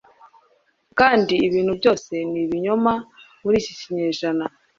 kandi ibintu byose ni ibinyoma muri iki kinyejana